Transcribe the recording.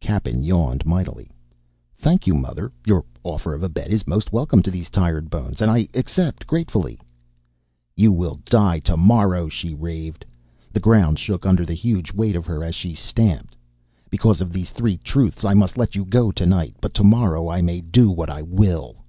Cappen yawned mightily. "Thank you, mother. Your offer of a bed is most welcome to these tired bones, and I accept gratefully." "You will die tomorrow!" she raved. The ground shook under the huge weight of her as she stamped. "Because of the three truths, I must let you go tonight; but tomorrow I may do what I will!"